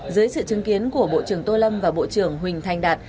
dưới sự chứng kiến của bộ trưởng tô lâm và bộ trưởng huỳnh thành đạt